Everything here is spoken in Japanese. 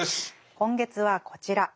今月はこちら。